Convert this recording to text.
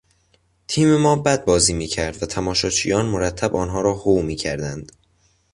تیم ما بد بازی میکرد و تماشاچیان مرتب آنها را هو میکردند.